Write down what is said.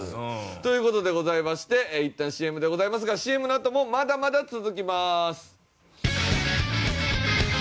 という事でございましていったんＣＭでございますがＣＭのあともまだまだ続きます。